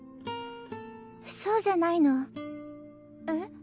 そうじゃないの。え？